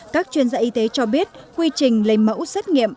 các chuyên gia y tế cho biết quy trình lấy mẫu xét nghiệm